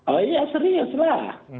oh iya serius lah